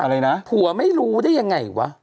อะไรนะผัวไม่รู้ได้ยังไงวะ